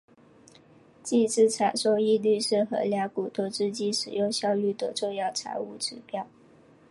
净资产收益率是衡量股东资金使用效率的重要财务指标。